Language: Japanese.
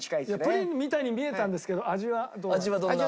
プリンみたいに見えたんですけど味はどうなんですか？